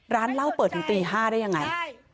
ร้านเหล้าเปิดถึงตี๕ได้ยังไง